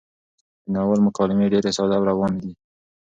د ناول مکالمې ډېرې ساده او روانې دي.